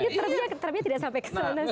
terbiaknya tidak sampai kesel